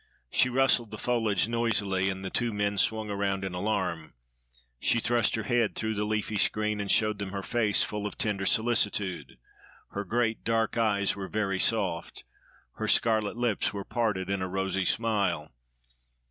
She rustled the foliage noisily, and the two men swung around in alarm. She thrust her head through the leafy screen, and showed them her face full of tender solicitude. Her great dark eyes were very soft; her scarlet lips were parted in a rosy smile.